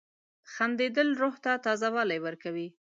• خندېدل روح ته تازه والی ورکوي.